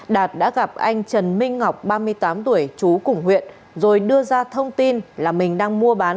đạt đã gặp anh trần minh ngọc ba mươi tám tuổi chú cùng huyện rồi đưa ra thông tin là mình đang mua bán